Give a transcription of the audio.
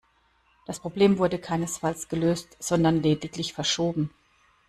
Das Problem wurde keinesfalls gelöst, sondern lediglich verschoben.